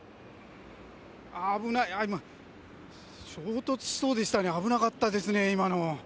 危ない、あっ、今衝突しそうでしたね、危なかったですね、今の。